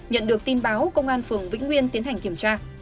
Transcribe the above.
nhận được tin báo công an phường vĩnh nguyên tiến hành kiểm tra